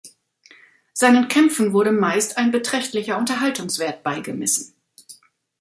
Seinen Kämpfen wurde meist ein beträchtlicher Unterhaltungswert beigemessen.